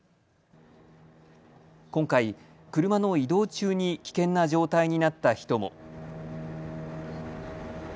今回、車の移動中に危険な状態になった人も。